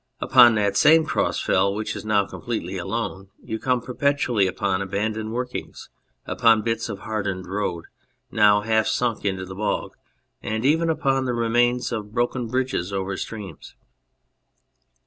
Upon that same Cross Fell which is now completely alone, you come perpetually upon abandoned workings, upon bits of hardened road, now half sunk into the bog, and even upon the remains of broken bridges over streams.